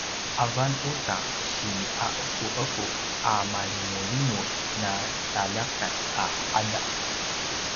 avan uta si aqepuqepu a malingulingulj na taljakan a qadaw